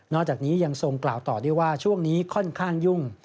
จากนี้ยังทรงกล่าวต่อได้ว่าช่วงนี้ค่อนข้างยุ่ง